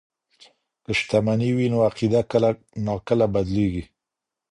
که شتمني وي نو عقیده کله ناکله بدلیږي.